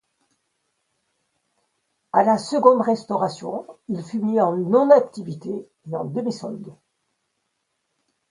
À la seconde Restauration il fut mis en non-activité et en demi-solde.